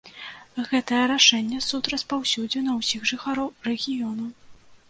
Гэтае рашэнне суд распаўсюдзіў на ўсіх жыхароў рэгіёну.